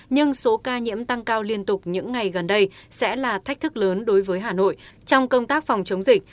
nhưng số ca nhiễm tăng cao liên tục những ngày gần đây sẽ là thách thức lớn đối với hà nội trong công tác phòng chống dịch